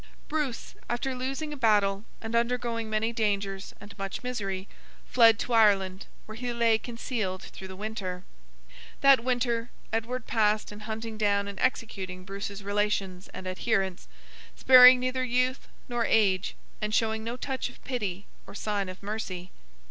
Bruce, after losing a battle and undergoing many dangers and much misery, fled to Ireland, where he lay concealed through the winter. That winter, Edward passed in hunting down and executing Bruce's relations and adherents, sparing neither youth nor age, and showing no touch of pity or sign of mercy.